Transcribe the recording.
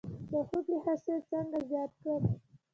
د هوږې حاصل څنګه زیات کړم؟